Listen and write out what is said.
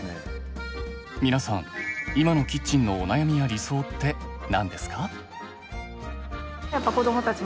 皆さん今のキッチンのお悩みや理想って何ですか？